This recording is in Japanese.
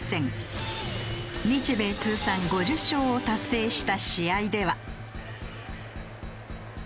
日米通算５０勝を達成した試合では。